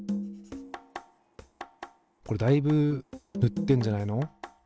これだいぶ塗ってんじゃないの？